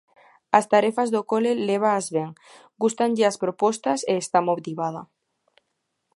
As tarefas do cole lévaas ben, gústanlle as propostas e está motivada.